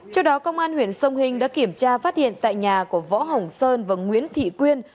trước đó công an huyện sông hình đã kiểm tra phát hiện tại nhà của võ hồng sơn và nguyễn thị quyên